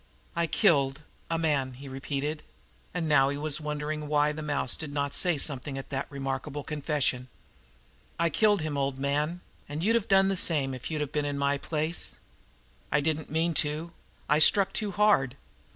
"I killed a man," he repeated, and now he was wondering why the mouse did not say something at that remarkable confession. "I killed him, old man, an' you'd have done the same if you'd been in my place. I didn't mean to. I struck too hard.